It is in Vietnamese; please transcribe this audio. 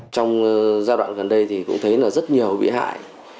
trong giai đoạn gần đây thì cũng thấy là rất nhiều bị hại